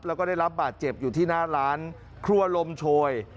แล้วก็ได้รับบาดเจ็บอยู่ที่หน้าร้านครัวลมโชย